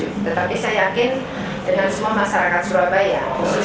tetapi saya yakin dengan semua masyarakat surabaya khususnya jawa timur